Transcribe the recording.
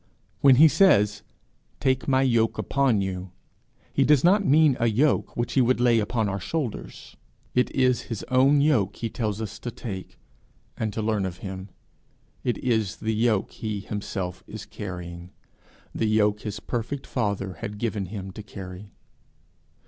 When he says, 'Take my yoke upon you,' he does not mean a yoke which he would lay upon our shoulders; it is his own yoke he tells us to take, and to learn of him it is the yoke he is himself carrying, the yoke his perfect Father had given him to carry.